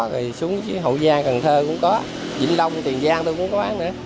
rồi xuống hậu gian cần thơ cũng có vĩnh long tiền giang tôi cũng có bán nữa